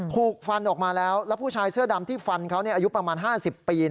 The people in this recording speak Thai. ถูกฟันออกมาแล้วแล้วผู้ชายเสื้อดำที่ฟันเขาอายุประมาณ๕๐ปี